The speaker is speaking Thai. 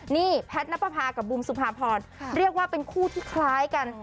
นี่แพทย์นับประพากับบุมสุภาพรเรียกว่าเป็นคู่ที่คล้ายกัน